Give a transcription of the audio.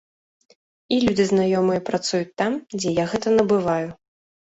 І людзі знаёмыя працуюць там, дзе я гэта набываю.